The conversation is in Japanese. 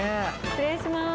失礼します。